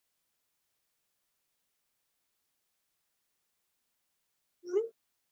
The return to fitness of Patrick Kisnorbo provided additional competition in defence.